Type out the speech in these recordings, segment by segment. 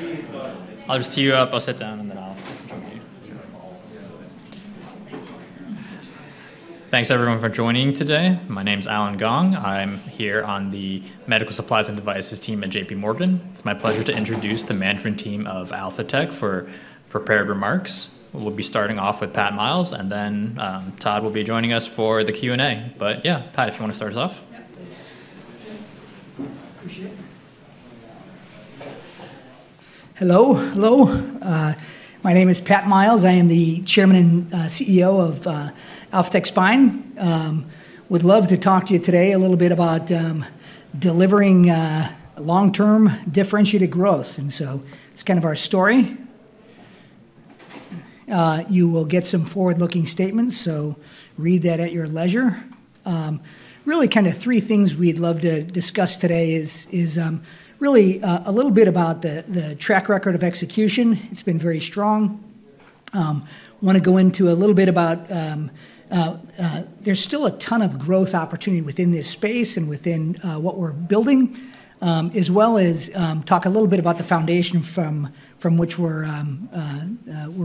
Yeah. I'll just tee you up, I'll sit down, and then I'll join you. Thanks, everyone, for joining today. My name's Allen Gong. I'm here on the Medical Supplies and Devices team at JPMorgan. It's my pleasure to introduce the management team of Alphatec for prepared remarks. We'll be starting off with Pat Miles, and then Todd will be joining us for the Q&A. But yeah, Pat, if you want to start us off. Appreciate it. Hello. Hello. My name is Pat Miles. I am the Chairman and CEO of Alphatec Spine. I would love to talk to you today a little bit about delivering long-term differentiated growth. So it's kind of our story. You will get some forward-looking statements, so read that at your leisure. Really kind of three things we'd love to discuss today is really a little bit about the track record of execution. It's been very strong. I want to go into a little bit about there's still a ton of growth opportunity within this space and within what we're building, as well as talk a little bit about the foundation from which we're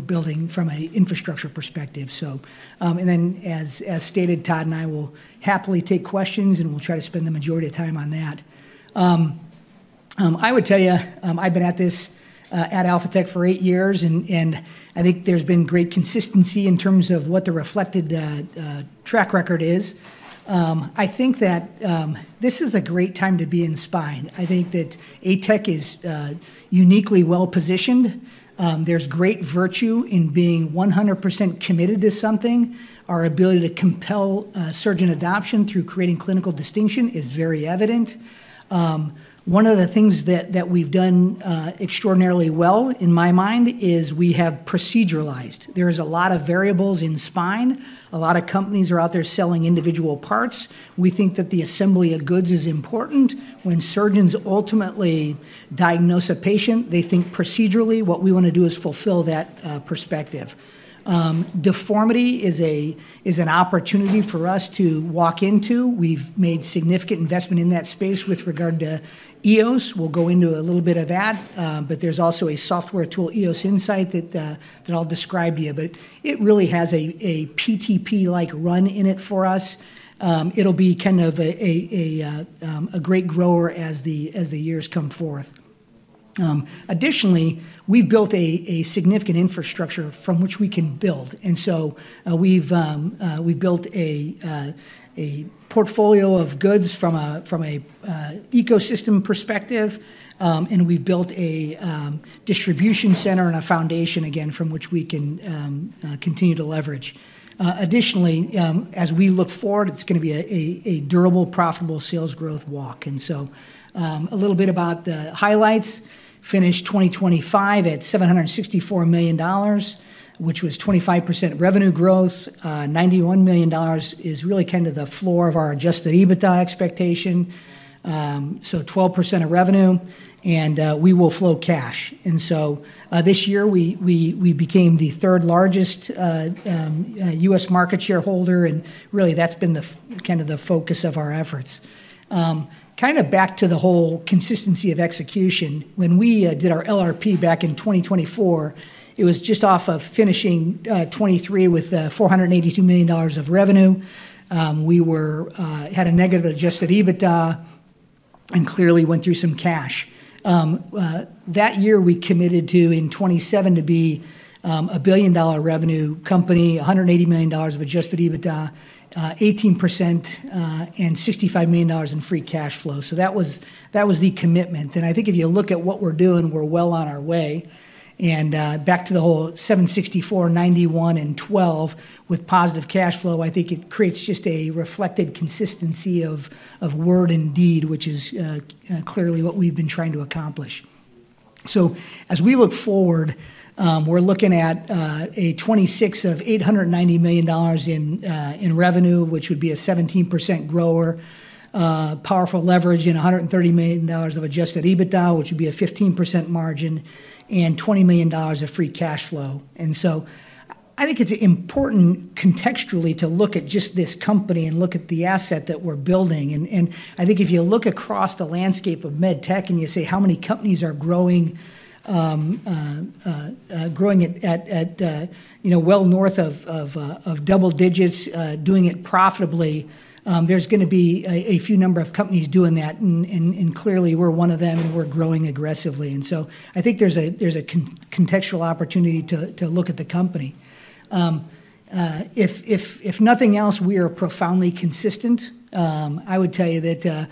building from an infrastructure perspective. Then, as stated, Todd and I will happily take questions, and we'll try to spend the majority of time on that. I would tell you, I've been at this at Alphatec for eight years, and I think there's been great consistency in terms of what the reflected track record is. I think that this is a great time to be in Spine. I think that ATEC is uniquely well-positioned. There's great virtue in being 100% committed to something. Our ability to compel surgeon adoption through creating clinical distinction is very evident. One of the things that we've done extraordinarily well, in my mind, is we have proceduralized. There is a lot of variables in Spine. A lot of companies are out there selling individual parts. We think that the assembly of goods is important. When surgeons ultimately diagnose a patient, they think procedurally what we want to do is fulfill that perspective. Deformity is an opportunity for us to walk into. We've made significant investment in that space with regard to EOS. We'll go into a little bit of that, but there's also a software tool, EOS Insight, that I'll describe to you. But it really has a PTP-like run in it for us. It'll be kind of a great grower as the years come forth. Additionally, we've built a significant infrastructure from which we can build. And so we've built a portfolio of goods from an ecosystem perspective, and we've built a distribution center and a foundation, again, from which we can continue to leverage. Additionally, as we look forward, it's going to be a durable, profitable sales growth walk, and so a little bit about the highlights. Finished 2025 at $764 million, which was 25% revenue growth. $91 million is really kind of the floor of our adjusted EBITDA expectation, so 12% of revenue, and we will flow cash. This year, we became the third largest U.S. market share holder, and really, that's been kind of the focus of our efforts. Kind of back to the whole consistency of execution. When we did our LRP back in 2024, it was just off of finishing 2023 with $482 million of revenue. We had a negative Adjusted EBITDA and clearly went through some cash. That year, we committed to, in 2027, to be a $1 billion revenue company, $180 million of Adjusted EBITDA, 18%, and $65 million in free cash flow. That was the commitment. I think if you look at what we're doing, we're well on our way. Back to the whole 764, 91, and 12 with positive cash flow, I think it just reflects consistency of word and deed, which is clearly what we've been trying to accomplish. As we look forward, we're looking at a $26 of $890 million in revenue, which would be a 17% grower, powerful leverage in $130 million of Adjusted EBITDA, which would be a 15% margin, and $20 million of free cash flow. I think it's important contextually to look at just this company and look at the asset that we're building. I think if you look across the landscape of medtech and you say, "How many companies are growing at well north of double digits, doing it profitably?" There's going to be a few number of companies doing that, and clearly, we're one of them, and we're growing aggressively. I think there's a contextual opportunity to look at the company. If nothing else, we are profoundly consistent. I would tell you that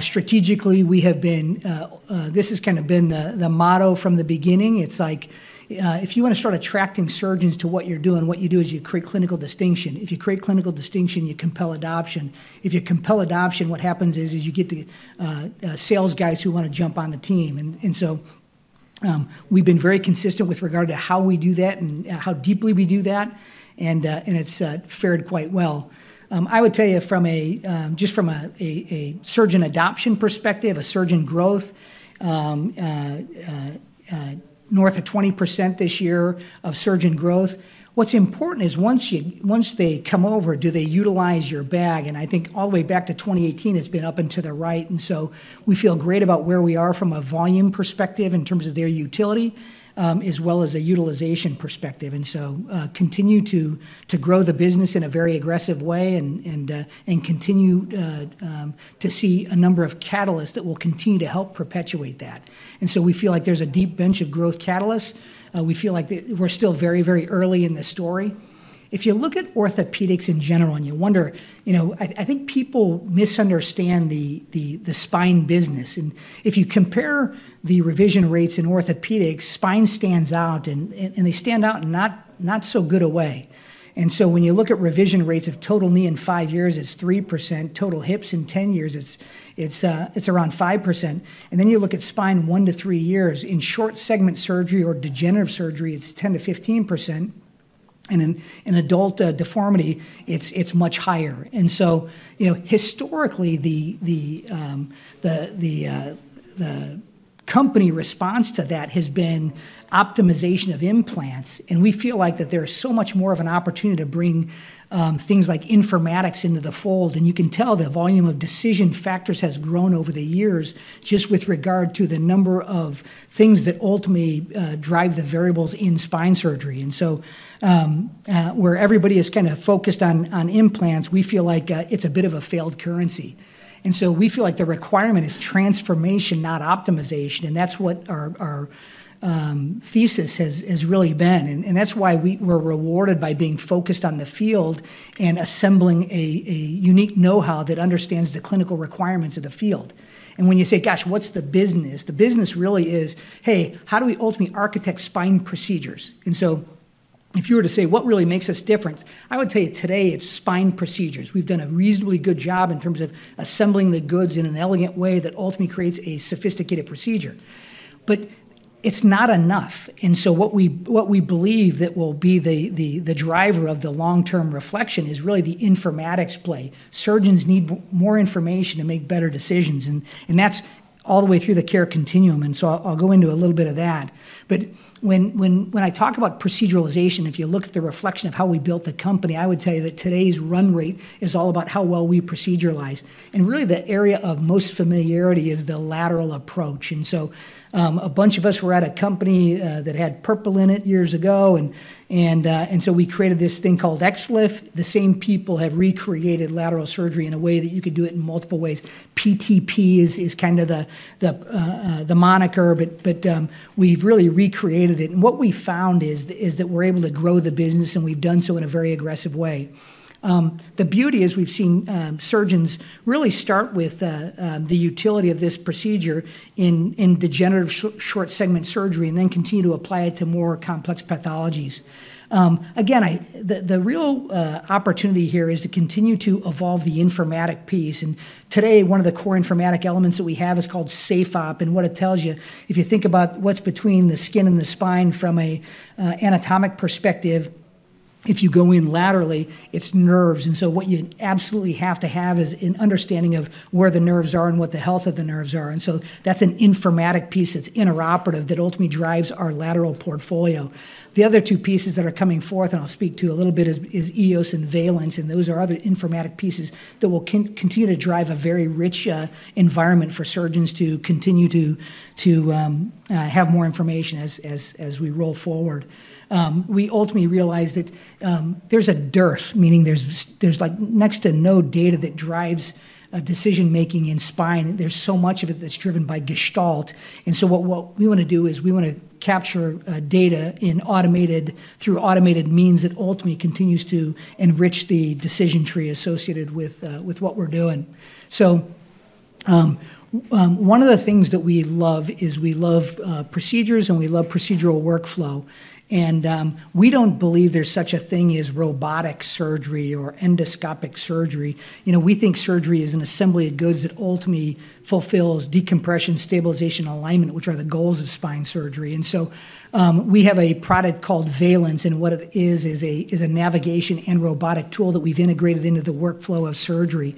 strategically, we have been. This has kind of been the motto from the beginning. It's like, if you want to start attracting surgeons to what you're doing, what you do is you create clinical distinction. If you create clinical distinction, you compel adoption. If you compel adoption, what happens is you get the sales guys who want to jump on the team. And so we've been very consistent with regard to how we do that and how deeply we do that, and it's fared quite well. I would tell you, just from a surgeon adoption perspective, a surgeon growth, north of 20% this year of surgeon growth. What's important is once they come over, do they utilize your bag? And I think all the way back to 2018, it's been up and to the right. We feel great about where we are from a volume perspective in terms of their utility, as well as a utilization perspective. We continue to grow the business in a very aggressive way and continue to see a number of catalysts that will continue to help perpetuate that. We feel like there's a deep bench of growth catalysts. We feel like we're still very, very early in the story. If you look at orthopedics in general and you wonder, I think people misunderstand the spine business. If you compare the revision rates in orthopedics, spine stands out, and they stand out not so good away. When you look at revision rates of total knee in five years, it's 3%. Total hips in 10 years, it's around 5%. And then you look at spine one to three years, in short-segment surgery or degenerative surgery, it's 10%-15%. And in adult deformity, it's much higher. And so historically, the company response to that has been optimization of implants. And we feel like that there is so much more of an opportunity to bring things like informatics into the fold. And you can tell the volume of decision factors has grown over the years just with regard to the number of things that ultimately drive the variables in spine surgery. And so where everybody is kind of focused on implants, we feel like it's a bit of a failed currency. And so we feel like the requirement is transformation, not optimization. And that's what our thesis has really been. And that's why we're rewarded by being focused on the field and assembling a unique know-how that understands the clinical requirements of the field. And when you say, "Gosh, what's the business?" The business really is, "Hey, how do we ultimately architect spine procedures?" And so if you were to say, "What really makes us different?" I would tell you today it's spine procedures. We've done a reasonably good job in terms of assembling the goods in an elegant way that ultimately creates a sophisticated procedure. But it's not enough. And so what we believe that will be the driver of the long-term reflection is really the informatics play. Surgeons need more information to make better decisions. And that's all the way through the care continuum. And so I'll go into a little bit of that. But when I talk about proceduralization, if you look at the reflection of how we built the company, I would tell you that today's run rate is all about how well we proceduralize. And really, the area of most familiarity is the lateral approach. And so a bunch of us were at a company that had Purple in it years ago, and so we created this thing called XLIF. The same people have recreated lateral surgery in a way that you could do it in multiple ways. PTP is kind of the moniker, but we've really recreated it. And what we found is that we're able to grow the business, and we've done so in a very aggressive way. The beauty is we've seen surgeons really start with the utility of this procedure in degenerative short-segment surgery and then continue to apply it to more complex pathologies. Again, the real opportunity here is to continue to evolve the informatic piece. And today, one of the core informatic elements that we have is called SafeOp. And what it tells you, if you think about what's between the skin and the spine from an anatomic perspective, if you go in laterally, it's nerves. And so what you absolutely have to have is an understanding of where the nerves are and what the health of the nerves are. And so that's an informatic piece that's intraoperative that ultimately drives our lateral portfolio. The other two pieces that are coming forth, and I'll speak to a little bit, is EOS and Valence. And those are other informatic pieces that will continue to drive a very rich environment for surgeons to continue to have more information as we roll forward. We ultimately realize that there's a dearth, meaning there's next to no data that drives decision-making in spine. There's so much of it that's driven by gestalt. And so what we want to do is we want to capture data through automated means that ultimately continues to enrich the decision tree associated with what we're doing. So one of the things that we love is we love procedures, and we love procedural workflow. And we don't believe there's such a thing as robotic surgery or endoscopic surgery. We think surgery is an assembly of goods that ultimately fulfills decompression, stabilization, alignment, which are the goals of spine surgery. And so we have a product called Valence. And what it is, is a navigation and robotic tool that we've integrated into the workflow of surgery.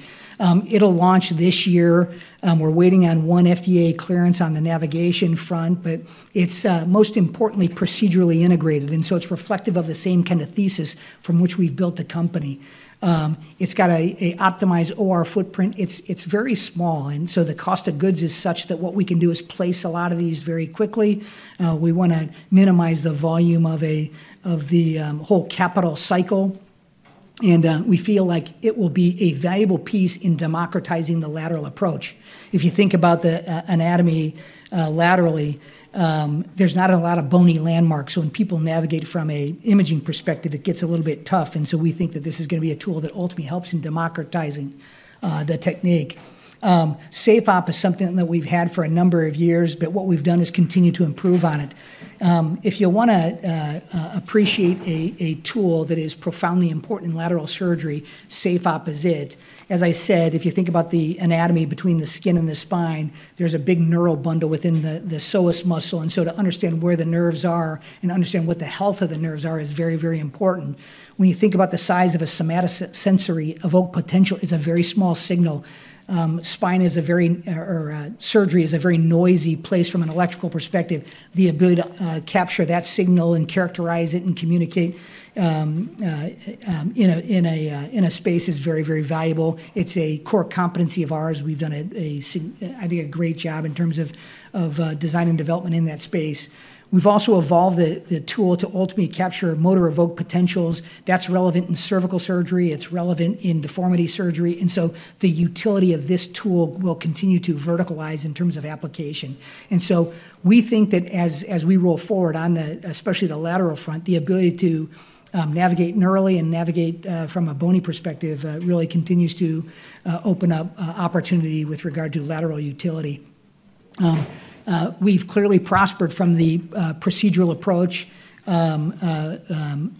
It'll launch this year. We're waiting on one FDA clearance on the navigation front. But it's most importantly procedurally integrated. And so it's reflective of the same kind of thesis from which we've built the company. It's got an optimized OR footprint. It's very small. And so the cost of goods is such that what we can do is place a lot of these very quickly. We want to minimize the volume of the whole capital cycle. And we feel like it will be a valuable piece in democratizing the lateral approach. If you think about the anatomy laterally, there's not a lot of bony landmarks. So when people navigate from an imaging perspective, it gets a little bit tough. And so we think that this is going to be a tool that ultimately helps in democratizing the technique. SafeOp is something that we've had for a number of years, but what we've done is continue to improve on it. If you want to appreciate a tool that is profoundly important in lateral surgery, SafeOp is it. As I said, if you think about the anatomy between the skin and the spine, there's a big neural bundle within the psoas muscle. And so to understand where the nerves are and understand what the health of the nerves are is very, very important. When you think about the size of a somatosensory evoked potential, it's a very small signal. Surgery is a very noisy place from an electrical perspective. The ability to capture that signal and characterize it and communicate in a space is very, very valuable. It's a core competency of ours. We've done, I think, a great job in terms of design and development in that space. We've also evolved the tool to ultimately capture motor evoked potentials. That's relevant in cervical surgery. It's relevant in deformity surgery. And so the utility of this tool will continue to verticalize in terms of application. And so we think that as we roll forward, especially the lateral front, the ability to navigate neurally and navigate from a bony perspective really continues to open up opportunity with regard to lateral utility. We've clearly prospered from the procedural approach.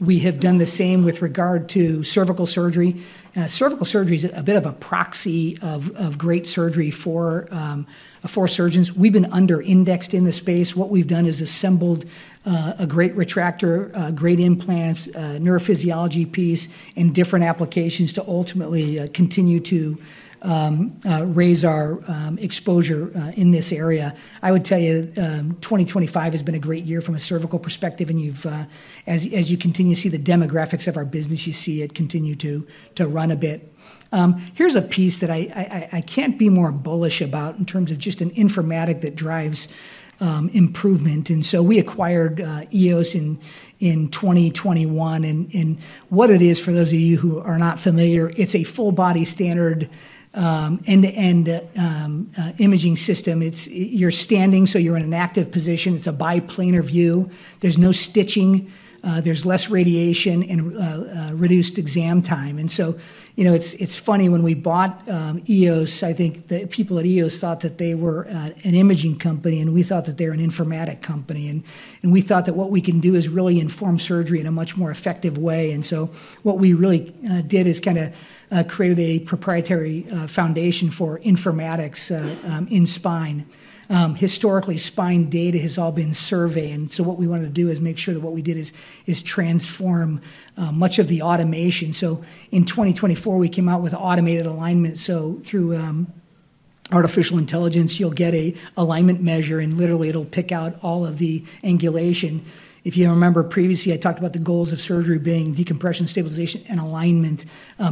We have done the same with regard to cervical surgery. Cervical surgery is a bit of a proxy of great surgery for surgeons. We've been under-indexed in the space. What we've done is assembled a great retractor, great implants, neurophysiology piece, and different applications to ultimately continue to raise our exposure in this area. I would tell you 2025 has been a great year from a cervical perspective. And as you continue to see the demographics of our business, you see it continue to run a bit. Here's a piece that I can't be more bullish about in terms of just an informatics that drives improvement, and so we acquired EOS in 2021, and what it is, for those of you who are not familiar, it's a full-body standard end-to-end imaging system. You're standing, so you're in an active position. It's a biplanar view. There's no stitching. There's less radiation and reduced exam time, and so it's funny when we bought EOS. I think the people at EOS thought that they were an imaging company, and we thought that they were an informatics company, and we thought that what we can do is really inform surgery in a much more effective way, and so what we really did is kind of created a proprietary foundation for informatics in spine. Historically, spine data has all been survey. And so what we wanted to do is make sure that what we did is transform much of the automation. So in 2024, we came out with automated alignment. So through artificial intelligence, you'll get an alignment measure, and literally, it'll pick out all of the angulation. If you remember, previously, I talked about the goals of surgery being decompression, stabilization, and alignment.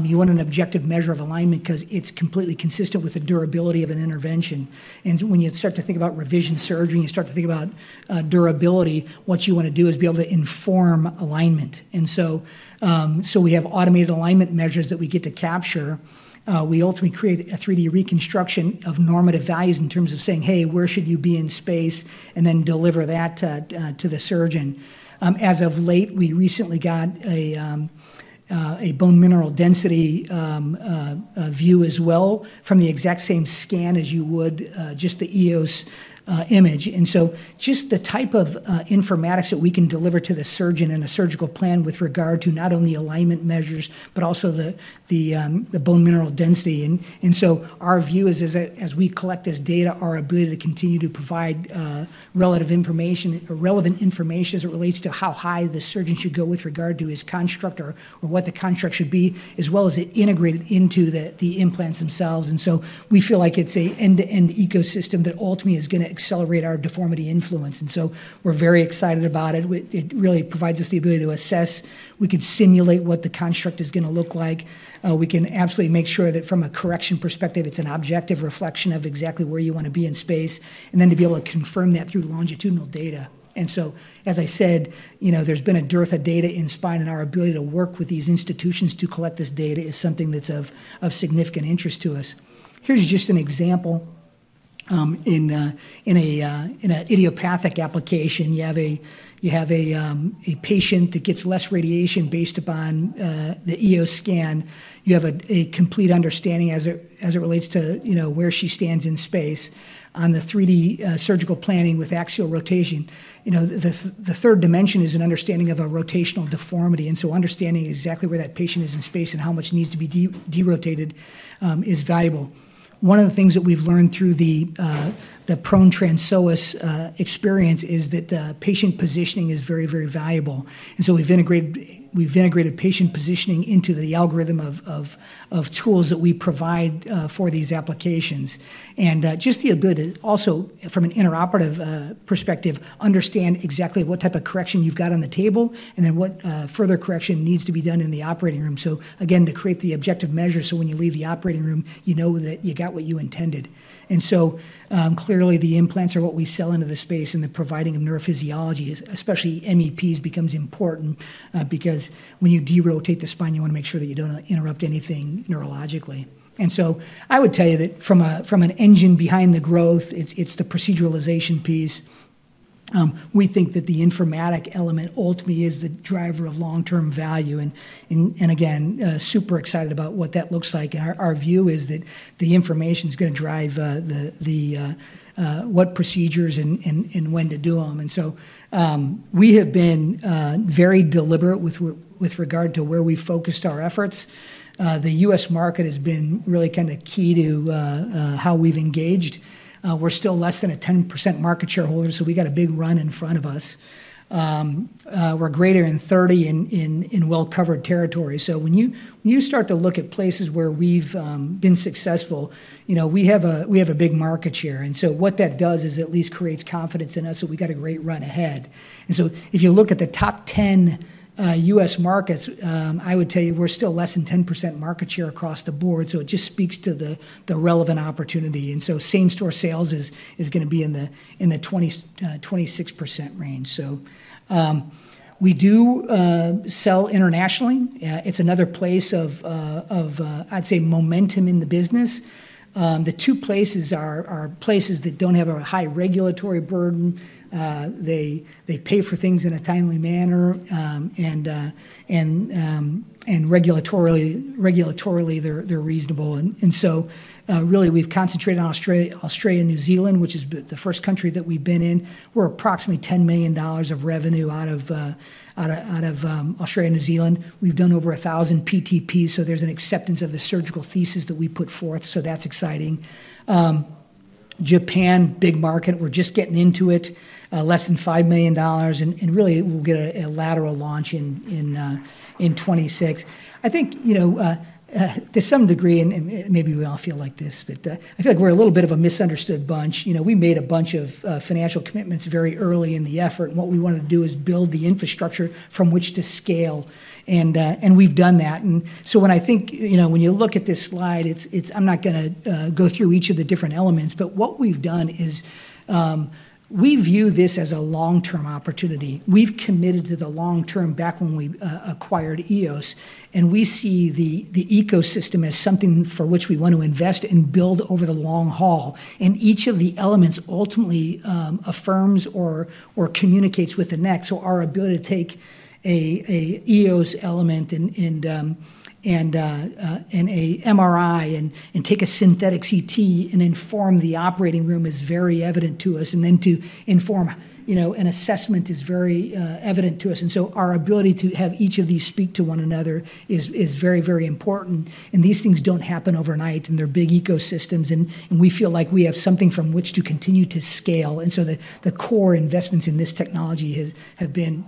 You want an objective measure of alignment because it's completely consistent with the durability of an intervention. And when you start to think about revision surgery and you start to think about durability, what you want to do is be able to inform alignment. And so we have automated alignment measures that we get to capture. We ultimately create a 3D reconstruction of normative values in terms of saying, "Hey, where should you be in space?" and then deliver that to the surgeon. As of late, we recently got a bone mineral density view as well from the exact same scan as you would just the EOS image. And so just the type of informatics that we can deliver to the surgeon and the surgical plan with regard to not only alignment measures, but also the bone mineral density. And so our view is, as we collect this data, our ability to continue to provide relevant information as it relates to how high the surgeon should go with regard to his construct or what the construct should be, as well as it integrated into the implants themselves. And so we feel like it's an end-to-end ecosystem that ultimately is going to accelerate our deformity influence. And so we're very excited about it. It really provides us the ability to assess. We can simulate what the construct is going to look like. We can absolutely make sure that from a correction perspective, it's an objective reflection of exactly where you want to be in space, and then to be able to confirm that through longitudinal data. And so, as I said, there's been a dearth of data in spine, and our ability to work with these institutions to collect this data is something that's of significant interest to us. Here's just an example. In an idiopathic application, you have a patient that gets less radiation based upon the EOS scan. You have a complete understanding as it relates to where she stands in space. On the 3D surgical planning with axial rotation, the third dimension is an understanding of a rotational deformity. And so understanding exactly where that patient is in space and how much needs to be derotated is valuable. One of the things that we've learned through the prone transpsoas experience is that patient positioning is very, very valuable, and so we've integrated patient positioning into the algorithm of tools that we provide for these applications, and just the ability to also, from an intraoperative perspective, understand exactly what type of correction you've got on the table and then what further correction needs to be done in the operating room, so again, to create the objective measure so when you leave the operating room, you know that you got what you intended, and so clearly, the implants are what we sell into the space, and the providing of neurophysiology, especially MEPs, becomes important because when you derotate the spine, you want to make sure that you don't interrupt anything neurologically, and so I would tell you that from an engine behind the growth, it's the proceduralization piece. We think that the informatic element ultimately is the driver of long-term value, and again, super excited about what that looks like, and our view is that the information is going to drive what procedures and when to do them. And so we have been very deliberate with regard to where we focused our efforts. The U.S. market has been really kind of key to how we've engaged. We're still less than a 10% market shareholder, so we got a big run in front of us. We're greater than 30% in well-covered territory. So when you start to look at places where we've been successful, we have a big market share. And so what that does is at least creates confidence in us that we've got a great run ahead. And so if you look at the top 10 U.S. markets, I would tell you we're still less than 10% market share across the board. So it just speaks to the relevant opportunity. And so same-store sales is going to be in the 26% range. So we do sell internationally. It's another place of, I'd say, momentum in the business. The two places are places that don't have a high regulatory burden. They pay for things in a timely manner. And regulatorily, they're reasonable. And so really, we've concentrated on Australia and New Zealand, which is the first country that we've been in. We're approximately $10 million of revenue out of Australia and New Zealand. We've done over 1,000 PTPs. So there's an acceptance of the surgical thesis that we put forth. So that's exciting. Japan, big market. We're just getting into it, less than $5 million. Really, we'll get a lateral launch in 2026. I think to some degree, and maybe we all feel like this, but I feel like we're a little bit of a misunderstood bunch. We made a bunch of financial commitments very early in the effort. And what we wanted to do is build the infrastructure from which to scale. And we've done that. And so when I think when you look at this slide, I'm not going to go through each of the different elements. But what we've done is we view this as a long-term opportunity. We've committed to the long-term back when we acquired EOS. And we see the ecosystem as something for which we want to invest and build over the long haul. And each of the elements ultimately affirms or communicates with the neck. So our ability to take an EOS element and an MRI and take a synthetic CT and inform the operating room is very evident to us. And then to inform an assessment is very evident to us. And so our ability to have each of these speak to one another is very, very important. And these things don't happen overnight, and they're big ecosystems. And we feel like we have something from which to continue to scale. And so the core investments in this technology have been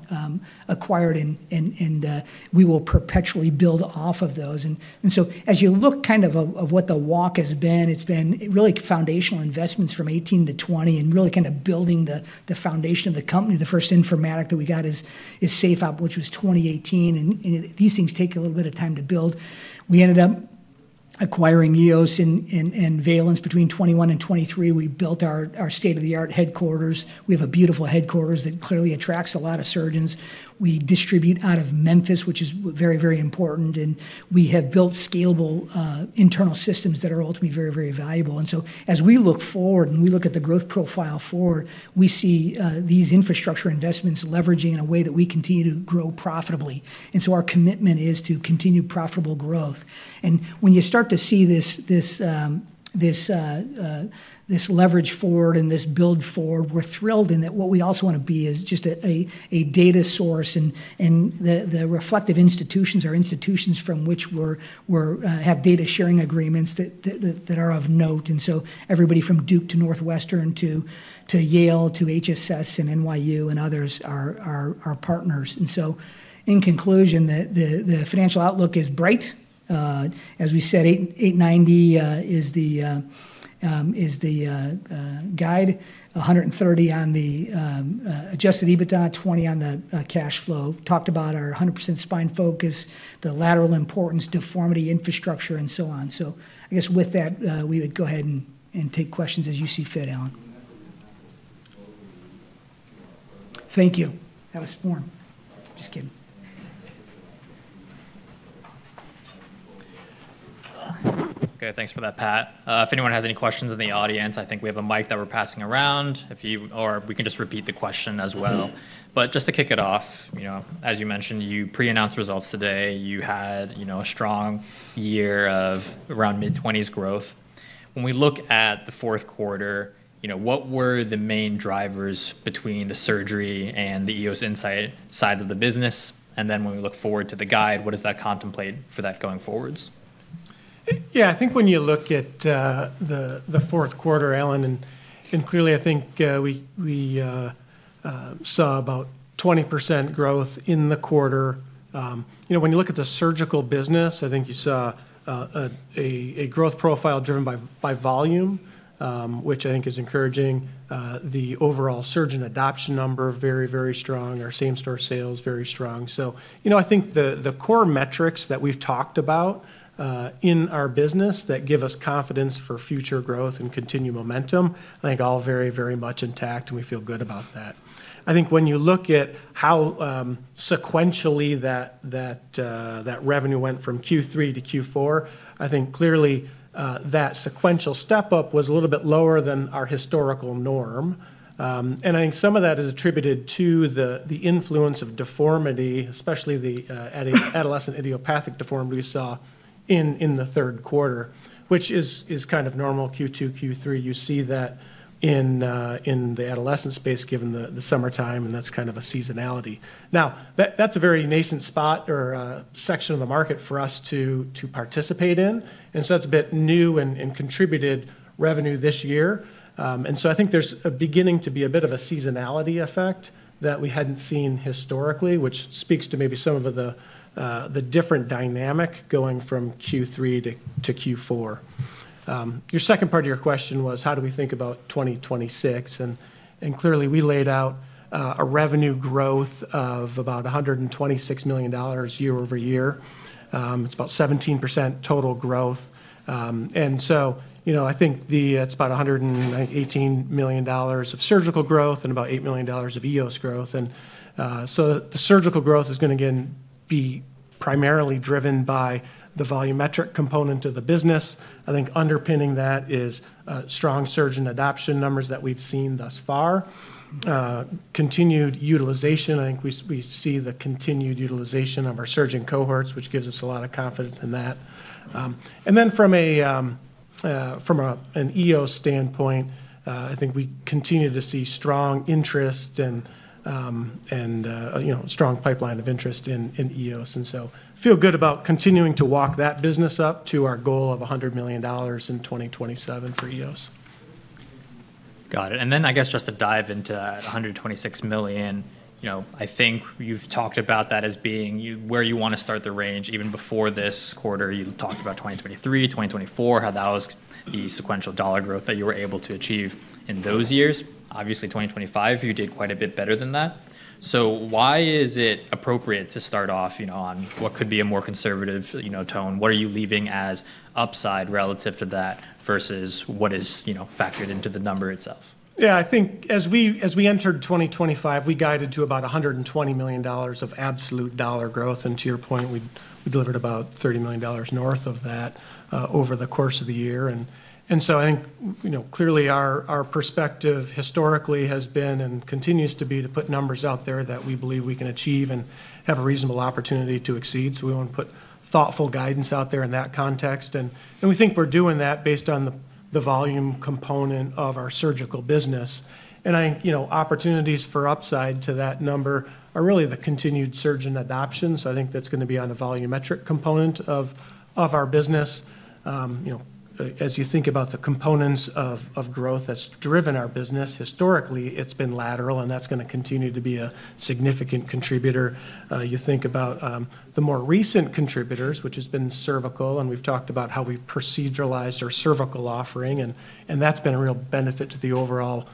acquired, and we will perpetually build off of those. And so as you look kind of at what the walk has been, it's been really foundational investments from 2018 to 2020 and really kind of building the foundation of the company. The first informatic that we got is SafeOp, which was 2018. And these things take a little bit of time to build. We ended up acquiring EOS and Valence between 2021 and 2023. We built our state-of-the-art headquarters. We have a beautiful headquarters that clearly attracts a lot of surgeons. We distribute out of Memphis, which is very, very important, and we have built scalable internal systems that are ultimately very, very valuable, and so as we look forward and we look at the growth profile forward, we see these infrastructure investments leveraging in a way that we continue to grow profitably. Our commitment is to continue profitable growth, and when you start to see this leverage forward and this build forward, we're thrilled. What we also want to be is just a data source, and the referenced institutions are institutions from which we have data sharing agreements that are of note. Everybody from Duke to Northwestern to Yale to HSS and NYU and others are partners. In conclusion, the financial outlook is bright. As we said, 890 is the guide, 130 on the Adjusted EBITDA, 20 on the cash flow. Talked about our 100% spine focus, the lateral importance, deformity, infrastructure, and so on. So I guess with that, we would go ahead and take questions as you see fit, Allen. Thank you. That was boring. Just kidding. Okay. Thanks for that, Pat. If anyone has any questions in the audience, I think we have a mic that we're passing around. Or we can just repeat the question as well. But just to kick it off, as you mentioned, you pre-announced results today. You had a strong year of around mid-20s growth. When we look at the fourth quarter, what were the main drivers between the surgery and the EOS Insight sides of the business? And then when we look forward to the guide, what does that contemplate for that going forwards? Yeah. I think when you look at the fourth quarter, Allen, and clearly, I think we saw about 20% growth in the quarter. When you look at the surgical business, I think you saw a growth profile driven by volume, which I think is encouraging. The overall surgeon adoption number, very, very strong. Our same-store sales, very strong. So I think the core metrics that we've talked about in our business that give us confidence for future growth and continued momentum, I think all very, very much intact, and we feel good about that. I think when you look at how sequentially that revenue went from Q3 to Q4, I think clearly that sequential step-up was a little bit lower than our historical norm. I think some of that is attributed to the influence of deformity, especially the adolescent idiopathic deformity we saw in the third quarter, which is kind of normal Q2, Q3. You see that in the adolescent space given the summertime, and that's kind of a seasonality. Now, that's a very nascent spot or section of the market for us to participate in. And so that's a bit new and contributed revenue this year. And so I think there's beginning to be a bit of a seasonality effect that we hadn't seen historically, which speaks to maybe some of the different dynamic going from Q3 to Q4. Your second part of your question was, how do we think about 2026? And clearly, we laid out a revenue growth of about $126 million year over year. It's about 17% total growth. I think it's about $118 million of surgical growth and about $8 million of EOS growth. The surgical growth is going to again be primarily driven by the volumetric component of the business. I think underpinning that is strong surgeon adoption numbers that we've seen thus far. Continued utilization, I think we see the continued utilization of our surgeon cohorts, which gives us a lot of confidence in that. From an EOS standpoint, I think we continue to see strong interest and strong pipeline of interest in EOS. We feel good about continuing to walk that business up to our goal of $100 million in 2027 for EOS. Got it. Then I guess just to dive into that $126 million, I think you've talked about that as being where you want to start the range. Even before this quarter, you talked about 2023, 2024, how that was the sequential dollar growth that you were able to achieve in those years. Obviously, 2025, you did quite a bit better than that. So why is it appropriate to start off on what could be a more conservative tone? What are you leaving as upside relative to that versus what is factored into the number itself? Yeah. I think as we entered 2025, we guided to about $120 million of absolute dollar growth. And to your point, we delivered about $30 million north of that over the course of the year. And so I think clearly our perspective historically has been and continues to be to put numbers out there that we believe we can achieve and have a reasonable opportunity to exceed. So we want to put thoughtful guidance out there in that context. And we think we're doing that based on the volume component of our surgical business. And I think opportunities for upside to that number are really the continued surgeon adoption. So I think that's going to be on a volumetric component of our business. As you think about the components of growth that's driven our business, historically, it's been lateral, and that's going to continue to be a significant contributor. You think about the more recent contributors, which has been cervical, and we've talked about how we've proceduralized our cervical offering. And that's been a real benefit to the overall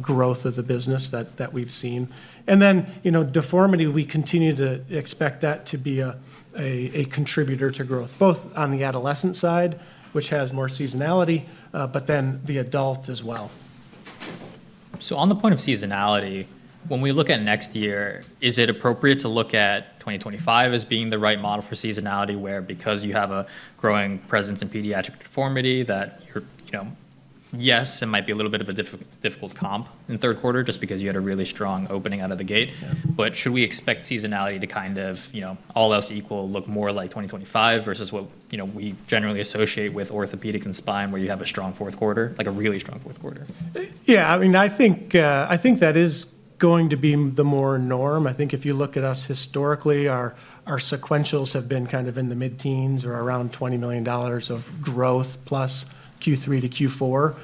growth of the business that we've seen. And then deformity, we continue to expect that to be a contributor to growth, both on the adolescent side, which has more seasonality, but then the adult as well. On the point of seasonality, when we look at next year, is it appropriate to look at 2025 as being the right model for seasonality where, because you have a growing presence in pediatric deformity, that you're, yes, it might be a little bit of a difficult comp in third quarter just because you had a really strong opening out of the gate. But should we expect seasonality to kind of, all else equal, look more like 2025 versus what we generally associate with orthopedics and spine where you have a strong fourth quarter, like a really strong fourth quarter? Yeah. I mean, I think that is going to be the more norm. I think if you look at us historically, our sequentials have been kind of in the mid-teens or around $20 million of growth plus Q3 to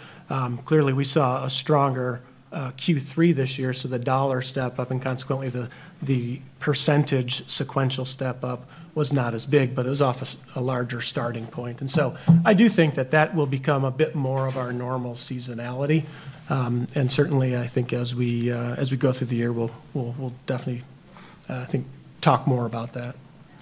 Q4. Clearly, we saw a stronger Q3 this year. So the dollar step-up and consequently the percentage sequential step-up was not as big, but it was off a larger starting point. And so I do think that that will become a bit more of our normal seasonality. And certainly, I think as we go through the year, we'll definitely, I think, talk more about that.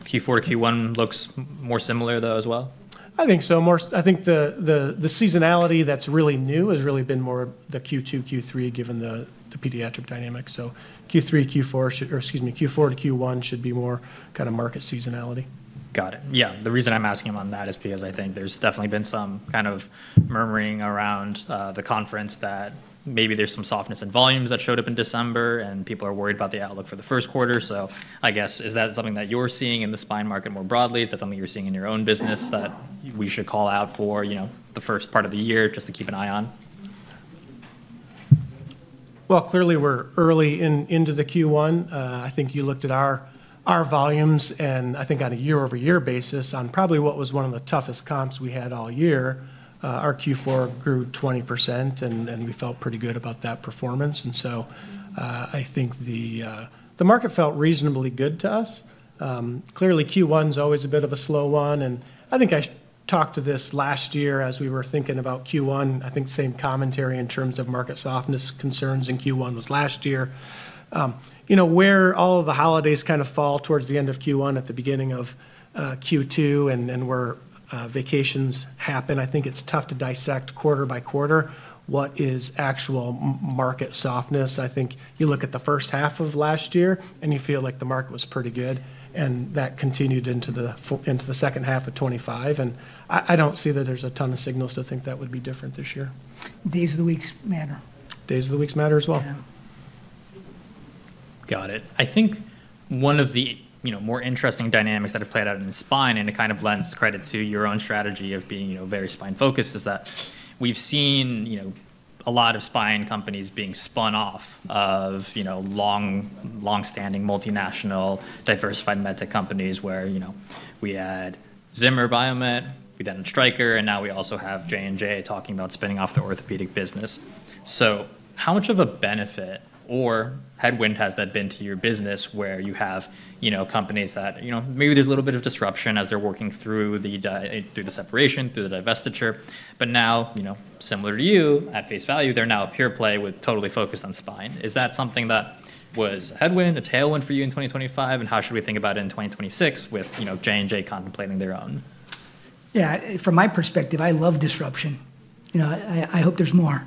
Q4 to Q1 looks more similar, though, as well? I think so. I think the seasonality that's really new has really been more the Q2, Q3, given the pediatric dynamic. So Q3, Q4, or excuse me, Q4 to Q1 should be more kind of market seasonality. Got it. Yeah. The reason I'm asking about that is because I think there's definitely been some kind of murmuring around the conference that maybe there's some softness in volumes that showed up in December, and people are worried about the outlook for the first quarter. So I guess, is that something that you're seeing in the spine market more broadly? Is that something you're seeing in your own business that we should call out for the first part of the year just to keep an eye on? Clearly, we're early into the Q1. I think you looked at our volumes, and I think on a year-over-year basis, on probably what was one of the toughest comps we had all year, our Q4 grew 20%, and we felt pretty good about that performance. So I think the market felt reasonably good to us. Clearly, Q1 is always a bit of a slow one. I think I talked to this last year as we were thinking about Q1. I think same commentary in terms of market softness concerns in Q1 was last year. Where all of the holidays kind of fall towards the end of Q1, at the beginning of Q2, and where vacations happen, I think it's tough to dissect quarter by quarter what is actual market softness. I think you look at the first half of last year, and you feel like the market was pretty good and that continued into the second half of 2025. I don't see that there's a ton of signals to think that would be different this year. Days of the weeks matter. Days of the weeks matter as well. Got it. I think one of the more interesting dynamics that have played out in spine, and it kind of lends credit to your own strategy of being very spine-focused, is that we've seen a lot of spine companies being spun off of long-standing multinational diversified med tech companies where we had Zimmer Biomet, we then had Stryker, and now we also have J&J talking about spinning off the orthopedic business. So how much of a benefit or headwind has that been to your business where you have companies that maybe there's a little bit of disruption as they're working through the separation, through the divestiture, but now, similar to you at face value, they're now a pure play with totally focused on spine? Is that something that was a headwind, a tailwind for you in 2025? And how should we think about it in 2026 with J&J contemplating their own? Yeah. From my perspective, I love disruption. I hope there's more.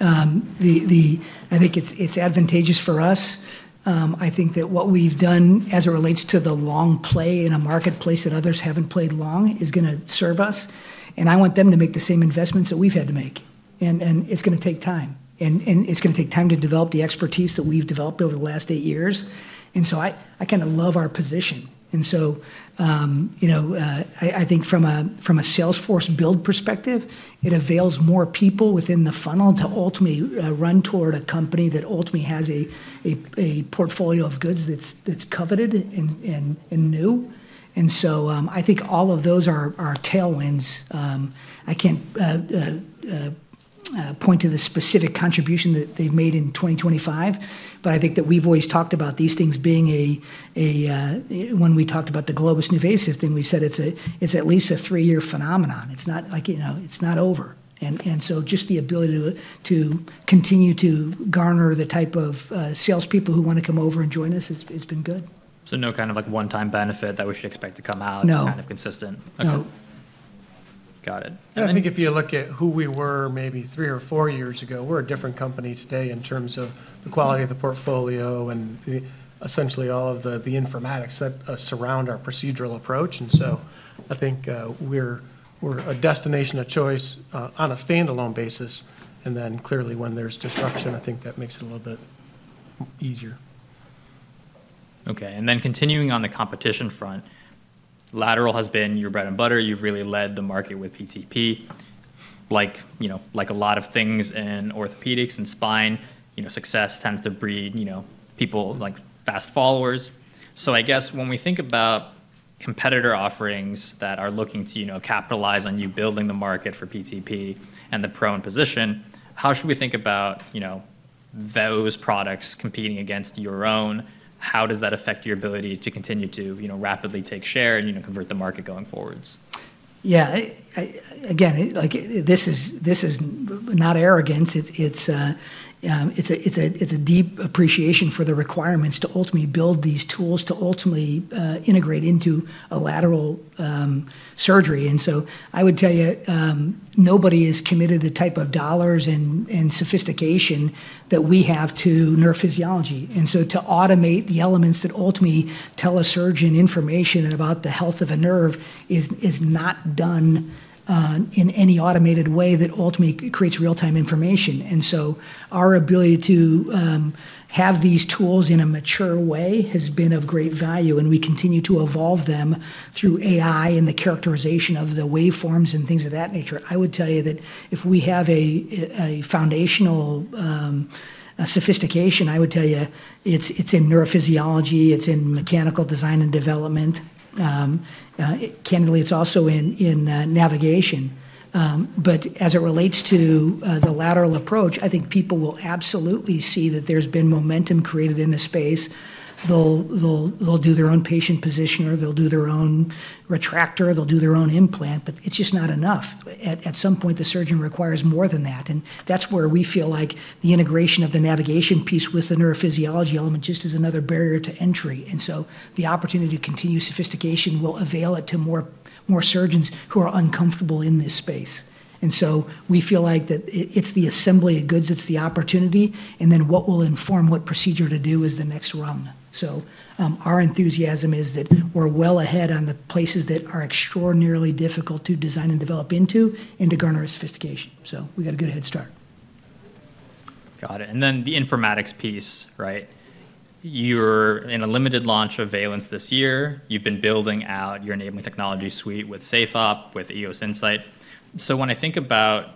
I think it's advantageous for us. I think that what we've done as it relates to the long play in a marketplace that others haven't played long is going to serve us. And I want them to make the same investments that we've had to make. And it's going to take time. And it's going to take time to develop the expertise that we've developed over the last eight years. And so I kind of love our position. And so I think from a sales force build perspective, it avails more people within the funnel to ultimately run toward a company that ultimately has a portfolio of goods that's coveted and new. And so I think all of those are tailwinds. I can't point to the specific contribution that they've made in 2025, but I think that we've always talked about these things being a, when we talked about the Globus NuVasive thing. We said it's at least a three-year phenomenon. It's not over. And so just the ability to continue to garner the type of salespeople who want to come over and join us has been good. So no kind of one-time benefit that we should expect to come out. No. It's kind of consistent. No. Got it. And I think if you look at who we were maybe three or four years ago, we're a different company today in terms of the quality of the portfolio and essentially all of the informatics that surround our procedural approach. And so I think we're a destination of choice on a standalone basis. And then clearly, when there's disruption, I think that makes it a little bit easier. Okay. And then continuing on the competition front, lateral has been your bread and butter. You've really led the market with PTP. Like a lot of things in orthopedics and spine, success tends to breed people like fast followers. So I guess when we think about competitor offerings that are looking to capitalize on you building the market for PTP and the prone position, how should we think about those products competing against your own? How does that affect your ability to continue to rapidly take share and convert the market going forward? Yeah. Again, this is not arrogance. It's a deep appreciation for the requirements to ultimately build these tools to ultimately integrate into a lateral surgery. And so I would tell you, nobody is committed to the type of dollars and sophistication that we have to nerve physiology. And so to automate the elements that ultimately tell a surgeon information about the health of a nerve is not done in any automated way that ultimately creates real-time information. And so our ability to have these tools in a mature way has been of great value. And we continue to evolve them through AI and the characterization of the waveforms and things of that nature. I would tell you that if we have a foundational sophistication, I would tell you it's in neurophysiology. It's in mechanical design and development. Candidly, it's also in navigation. But as it relates to the lateral approach, I think people will absolutely see that there's been momentum created in the space. They'll do their own patient positioner. They'll do their own retractor. They'll do their own implant. But it's just not enough. At some point, the surgeon requires more than that. And that's where we feel like the integration of the navigation piece with the neurophysiology element just is another barrier to entry. And so the opportunity to continue sophistication will avail it to more surgeons who are uncomfortable in this space. And so we feel like that it's the assembly of goods. It's the opportunity. And then what will inform what procedure to do is the next rung. So our enthusiasm is that we're well ahead on the places that are extraordinarily difficult to design and develop into and to garner sophistication. So we got a good head start. Got it. And then the informatics piece, right? You're in a limited launch of Valence this year. You've been building out your enabling technology suite with SafeOp, with EOS Insight. So when I think about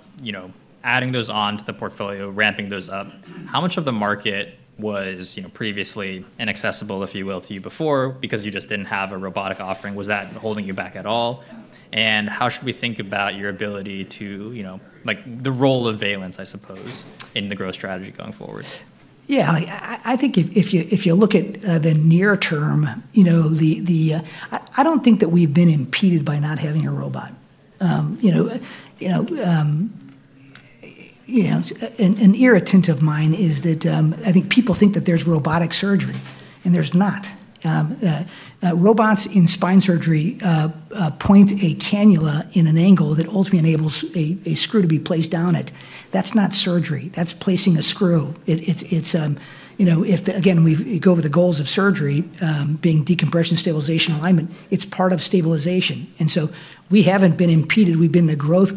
adding those on to the portfolio, ramping those up, how much of the market was previously inaccessible, if you will, to you before because you just didn't have a robotic offering? Was that holding you back at all? And how should we think about the role of Valence, I suppose, in the growth strategy going forward? Yeah. I think if you look at the near term, I don't think that we've been impeded by not having a robot. An irritant of mine is that I think people think that there's robotic surgery, and there's not. Robots in spine surgery point a cannula in an angle that ultimately enables a screw to be placed down it. That's not surgery. That's placing a screw. Again, we go over the goals of surgery being decompression, stabilization, alignment. It's part of stabilization. We haven't been impeded. We've been the growth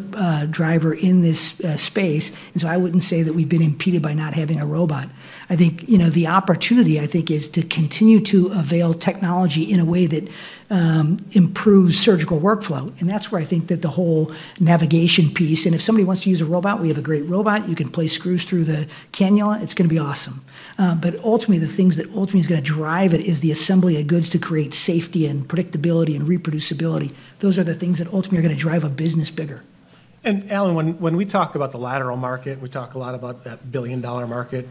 driver in this space. I wouldn't say that we've been impeded by not having a robot. I think the opportunity, I think, is to continue to avail technology in a way that improves surgical workflow. That's where I think that the whole navigation piece, and if somebody wants to use a robot, we have a great robot. You can place screws through the cannula. It's going to be awesome. Ultimately, the things that ultimately is going to drive it is the assembly of goods to create safety and predictability and reproducibility. Those are the things that ultimately are going to drive a business bigger. Allen, when we talk about the lateral market, we talk a lot about that billion-dollar market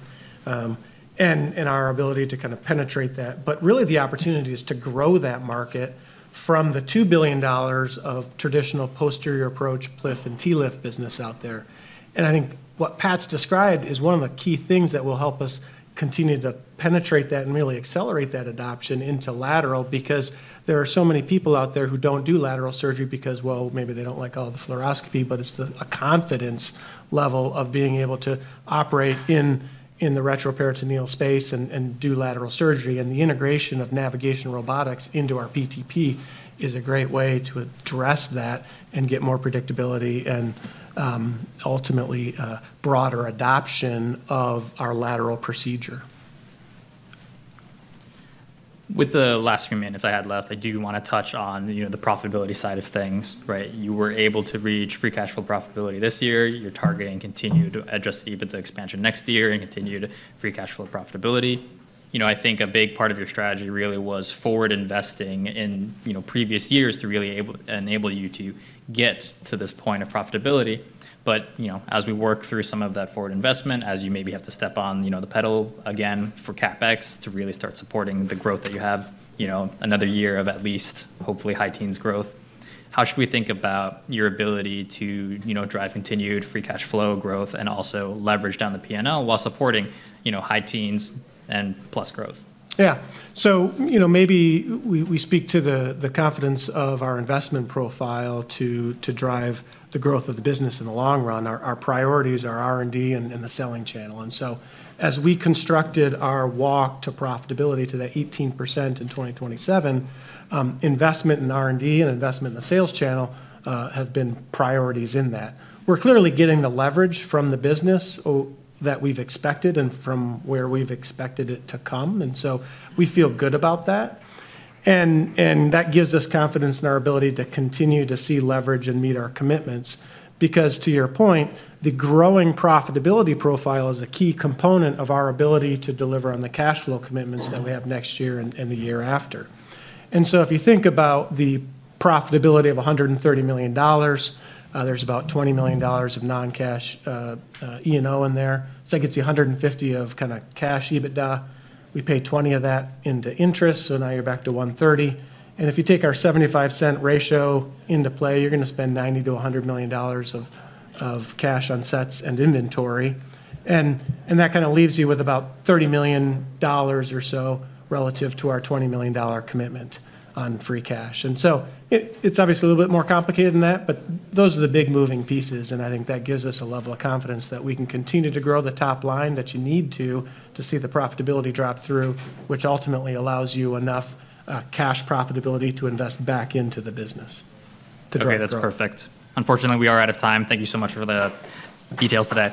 and our ability to kind of penetrate that. But really, the opportunity is to grow that market from the $2 billion of traditional posterior approach, PLIF, and TLIF business out there. And I think what Pat's described is one of the key things that will help us continue to penetrate that and really accelerate that adoption into lateral because there are so many people out there who don't do lateral surgery because, well, maybe they don't like all the fluoroscopy, but it's a confidence level of being able to operate in the retroperitoneal space and do lateral surgery. And the integration of navigation robotics into our PTP is a great way to address that and get more predictability and ultimately broader adoption of our lateral procedure. With the last few minutes I had left, I do want to touch on the profitability side of things, right? You were able to reach free cash flow profitability this year. You're targeting continued Adjusted EBITDA expansion next year and continued free cash flow profitability. I think a big part of your strategy really was forward investing in previous years to really enable you to get to this point of profitability. But as we work through some of that forward investment, as you maybe have to step on the pedal again for CapEx to really start supporting the growth that you have, another year of at least hopefully high teens growth, how should we think about your ability to drive continued free cash flow growth and also leverage down the P&L while supporting high teens and plus growth? Yeah. So maybe we speak to the confidence of our investment profile to drive the growth of the business in the long run. Our priorities are R&D and the selling channel. As we constructed our walk to profitability to that 18% in 2027, investment in R&D and investment in the sales channel have been priorities in that. We're clearly getting the leverage from the business that we've expected and from where we've expected it to come. And so we feel good about that. And that gives us confidence in our ability to continue to see leverage and meet our commitments because, to your point, the growing profitability profile is a key component of our ability to deliver on the cash flow commitments that we have next year and the year after. And so if you think about the profitability of $130 million, there's about $20 million of non-cash E&O in there. So that gets you $150 million of kind of cash EBITDA. We pay $20 million of that into interest. So now you're back to $130 million. If you take our $0.75 ratio into play, you're going to spend $90 million-$100 million of cash on sets and inventory. That kind of leaves you with about $30 million or so relative to our $20 million commitment on free cash. It's obviously a little bit more complicated than that, but those are the big moving pieces. I think that gives us a level of confidence that we can continue to grow the top line that you need to to see the profitability drop through, which ultimately allows you enough cash profitability to invest back into the business to grow it. Okay. That's perfect. Unfortunately, we are out of time. Thank you so much for the details today.